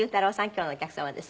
今日のお客様です。